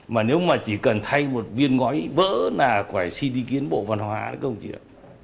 mà nếu mà chỉ cần thay một viên ngói bỡ là phải xin đi kiến bộ văn hóa đấy các ông chí ạ